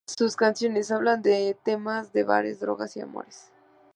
Sus canciones hablan de temas de bares, drogas y amores.